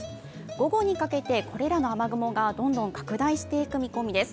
午後にかけてこれらの雨雲がどんどん拡大していく状況です。